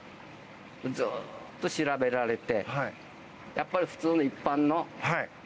ずっと調べられて。